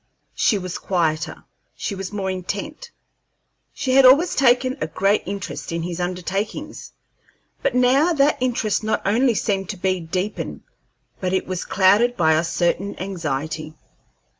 She was quieter; she was more intent. She had always taken a great interest in his undertakings, but now that interest not only seemed to be deepened, but it was clouded by a certain anxiety.